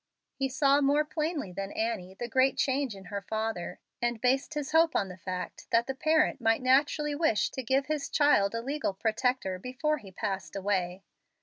He saw more plainly than Annie the great change in her father, and based his hope on the fact that the parent might naturally wish to give his child a legal protector before he passed away.